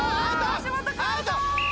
橋本君アウト！